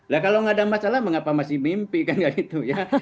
lah kalau nggak ada masalah mengapa masih mimpi kan nggak gitu ya